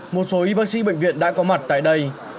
một số y bác sĩ bệnh viện đã có mặt tại đây